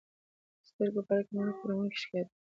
د سترګو په اړیکه نور خوړونکي ښکاري.